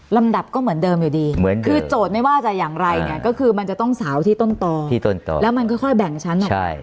ลำดับก็เหมือนเดิมอยู่ดีเหมือนกันคือโจทย์ไม่ว่าจะอย่างไรเนี่ยก็คือมันจะต้องสาวที่ต้นต่อที่ต้นต่อแล้วมันค่อยแบ่งชั้นออก